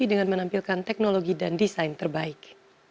dengan menampilkan teknologi dan desain terbaik